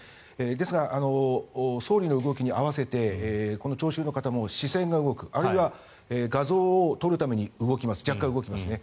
ですが、総理の動きに合わせてこの聴衆の方も視線が動くあるいは画像を撮るために若干動きますね。